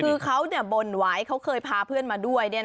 คือเขาบ่นไว้เขาเคยพาเพื่อนมาด้วย